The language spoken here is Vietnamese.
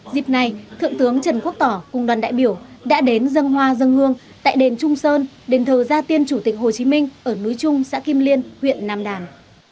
dịp này thượng tướng trần quốc tỏ cùng đoàn đại biểu đã đến dân hoa dân hương tại đền trung sơn đền thờ gia tiên chủ tịch hồ chí minh ở núi trung xã kim liên huyện nam đàn